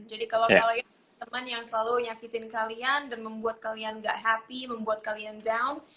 jadi kalau kalian teman yang selalu nyakitin kalian dan membuat kalian gak happy membuat kalian down